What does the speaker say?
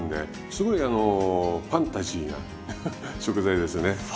すごいあのファンタジーな食材ですよね。